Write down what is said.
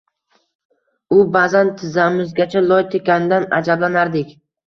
U baʼzan tizzamizgacha loy tekkanidan ajablanardik.